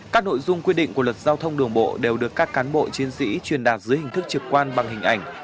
các nội dung quy định của luật giao thông đường bộ đều được các cán bộ chiến sĩ truyền đạt dưới hình thức trực quan bằng hình ảnh